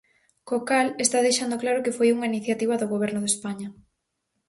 Co cal, está deixando claro que foi unha iniciativa do Goberno de España.